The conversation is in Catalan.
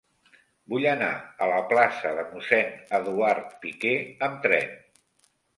Vull anar a la plaça de Mossèn Eduard Piquer amb tren.